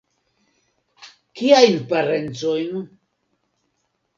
Kiajn parencojn?